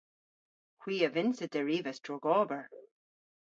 Hwi a vynnsa derivas drogober.